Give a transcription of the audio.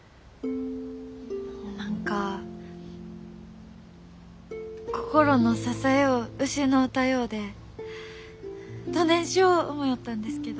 何か心の支よを失うたようでどねんしょう思よったんですけど。